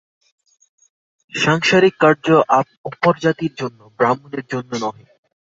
সাংসারিক কার্য অপর জাতির জন্য, ব্রাহ্মণের জন্য নহে।